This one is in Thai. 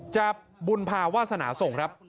จะบุญภาวาสนาส่งครับ